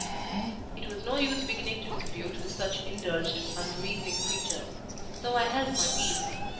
It was no use beginning to dispute with such indulged, unreasoning creatures: so I held my peace.